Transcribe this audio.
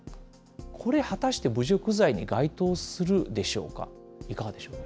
これ、果たして侮辱罪に該当するでしょうか、いかがでしょう。